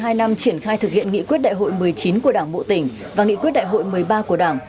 sau hai năm triển khai thực hiện nghị quyết đại hội một mươi chín của đảng bộ tỉnh và nghị quyết đại hội một mươi ba của đảng